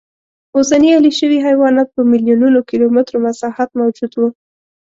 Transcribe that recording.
اوسني اهلي شوي حیوانات په میلیونونو کیلومترو مساحت موجود و